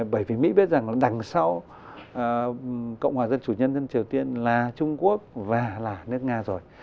bởi vì mỹ biết rằng đằng sau cộng hòa dân chủ nhân dân triều tiên là trung quốc và là nước nga rồi